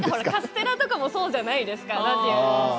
カステラとかもそうじゃないですか。